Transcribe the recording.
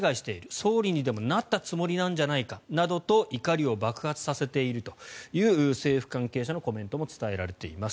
総理にでもなったつもりなんじゃないかという怒りを爆発させているという政府関係者のコメントも伝えられています。